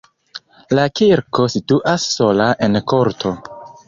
La kirko situas sola en korto.